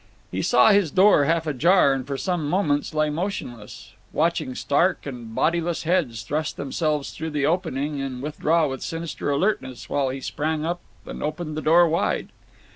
He saw his door, half ajar, and for some moments lay motionless, watching stark and bodiless heads thrust themselves through the opening and withdraw with sinister alertness till he sprang up and opened the door wide.